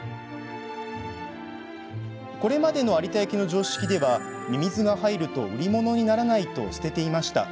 これまでの有田焼の常識ではミミズが入ると売り物にならないと捨てていました。